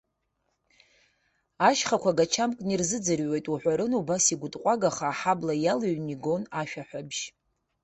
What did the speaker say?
Ашьхақәа гачамкны ирзыӡырҩуеит уҳәарын, убас игәытҟәагаха аҳабла иалыҩны игон ашәаҳәабжь.